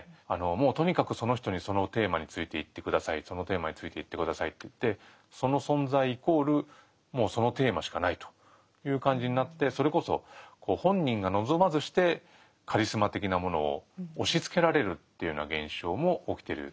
もうとにかくその人にそのテーマについて言って下さいそのテーマについて言って下さいっていってその存在イコールもうそのテーマしかないという感じになってそれこそ本人が望まずしてカリスマ的なものを押しつけられるっていうような現象も起きてる。